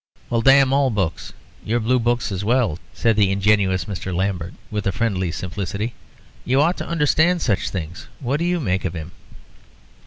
"Well, damn all books. Your blue books as well," said the ingenuous Mr. Lambert, with a friendly simplicity. "You ought to understand such things. What do you make of him?"